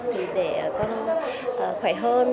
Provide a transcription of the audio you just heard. thì để con khỏe hơn